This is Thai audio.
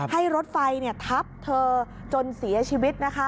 ให้รถไฟทับเธอจนเสียชีวิตนะคะ